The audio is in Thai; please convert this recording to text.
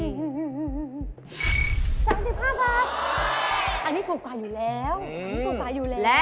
สามสิบห้าครับอันนี้ถูกกว่าอยู่แล้วอันนี้ถูกกว่าอยู่แล้ว